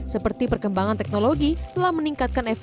seperti perkembangan teknologi telah meningkatkan ekonomi